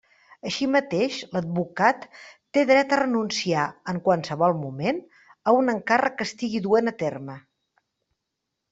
Així mateix, l'advocat té dret a renunciar, en qualsevol moment, a un encàrrec que estigui duent a terme.